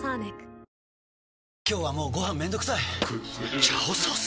今日はもうご飯めんどくさい「炒ソース」！？